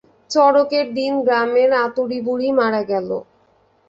চড়কের দিন গ্রামের আতুরী বুড়ি মারা গেল।